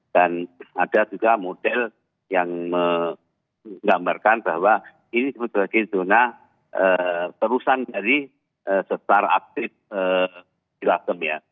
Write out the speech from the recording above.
dan ada juga model yang menggambarkan bahwa ini sebetulnya zona terusan dari star aktif di latham ya